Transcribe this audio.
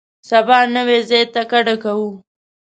سبا نوي ځای ته کډه کوو.